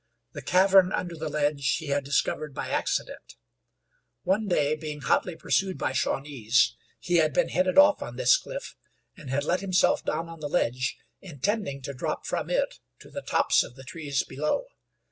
The cavern under the ledge he had discovered by accident. One day, being hotly pursued by Shawnees, he had been headed off on this cliff, and had let himself down on the ledge, intending to drop from it to the tops of the trees below.